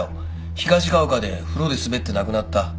東が丘で風呂で滑って亡くなった。